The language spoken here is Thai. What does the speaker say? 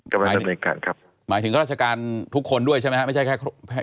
กำลังทำในการครับหมายถึงราชการทุกคนด้วยใช่ไหมฮะไม่ใช่แค่แค่